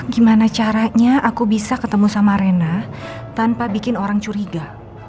gimana caranya aku bisa ketemu sama rena tanpa bikin orang curiga